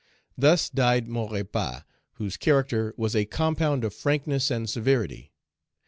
Thus died Maurepas, whose character was a compound of frankness and severity.